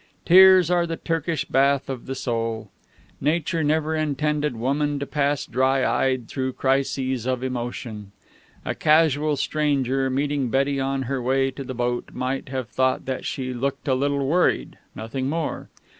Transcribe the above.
Tears are the Turkish bath of the soul. Nature never intended woman to pass dry eyed through crises of emotion. A casual stranger, meeting Betty on her way to the boat, might have thought that she looked a little worried, nothing more.